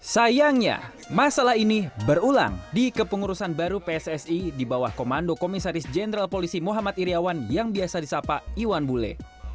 sayangnya masalah ini berulang di kepengurusan baru pssi di bawah komando komisaris jenderal polisi muhammad iryawan yang biasa disapa iwan bule